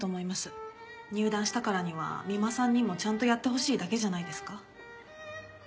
入団したからには三馬さんにもちゃんとやってほしいだけじゃないですか？